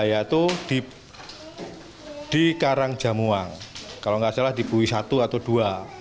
yaitu di karangjamuang kalau nggak salah di bui satu atau dua